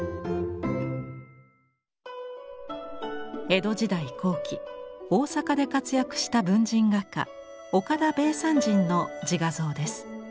江戸時代後期大坂で活躍した文人画家岡田米山人の自画像です。